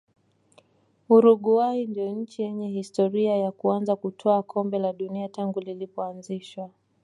uruguay ndio nchi yenye historia ya kuanza kutwaa kombe la dunia tangu lilipoanzishwa